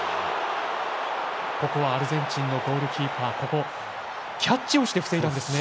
ここはアルゼンチンのゴールキーパーキャッチをして防いだんですね